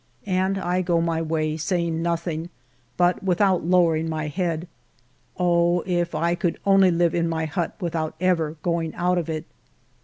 And I go my way, saying nothing, but without lowering my head. Oh, if I could only live in my hut without ever going out of it